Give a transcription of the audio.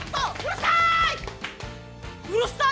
うるさい！